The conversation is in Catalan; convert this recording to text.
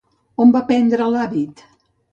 On va prendre l'hàbit?